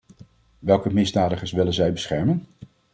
Welke misdadigers willen zij beschermen?